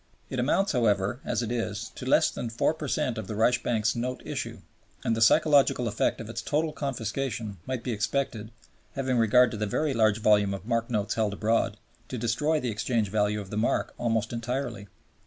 It amounts, however, as it is, to less than 4 per cent of the Reichsbank's Note Issue, and the psychological effect of its total confiscation might be expected (having regard to the very large volume of mark notes held abroad) to destroy the exchange value of the mark almost entirely.